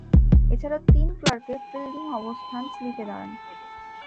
এছাড়াও তিনি ক্লার্কের ফিল্ডিং অবস্থান স্লিপে দাঁড়ান।